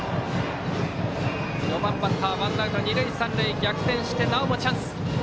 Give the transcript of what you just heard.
４番バッターワンアウト二塁三塁逆転してなおもチャンス。